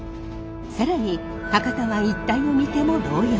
更に博多湾一帯を見ても同様。